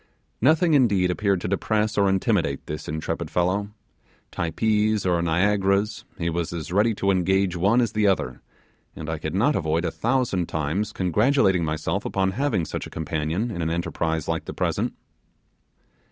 Nothing indeed appeared to depress or intimidate this intrepid fellow. Typees or Niagaras, he was as ready to engage one as the other, and I could not avoid a thousand times congratulating myself upon having such a companion in an enterprise like the present.